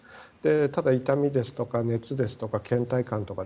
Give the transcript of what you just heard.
ただ、痛みですとか熱ですとか倦怠感ですとか。